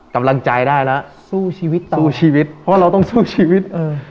กำลังใจได้แล้วสู้ชีวิตต่อสู้ชีวิตเพราะว่าเราต้องสู้ชีวิตเออ